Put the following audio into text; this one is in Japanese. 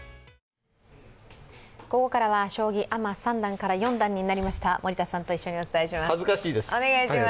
ここからは将棋アマ三段から四段になりました、森田さんと一緒にお伝えします。